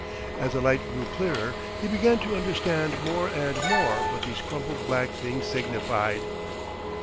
As the light grew clearer he began to understand more and more what these crumpled black things signified....